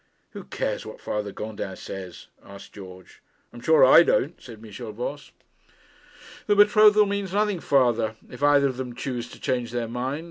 'Who cares what Father Gondin says?' asked George. 'I'm sure I don't,' said Michel Voss. 'The betrothal means nothing, father, if either of them choose to change their minds.